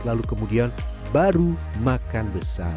lalu kemudian baru makan besar